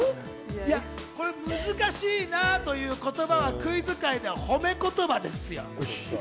難しいなというのはクイズ界では褒め言葉ですよ。